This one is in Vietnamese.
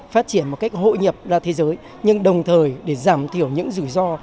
phát triển một cách hội nhập ra thế giới nhưng đồng thời để giảm thiểu những rủi ro